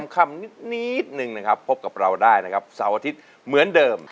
คำนิดนึงนะครับพบกับเราได้นะครับเสาร์อาทิตย์เหมือนเดิม